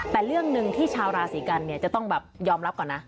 แต่เรื่องหนึ่งที่ชาวราศีกันเนี่ยจะต้องแบบยอมรับก่อนนะ